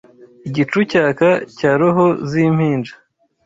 Igicu cyaka cya roho z'impinja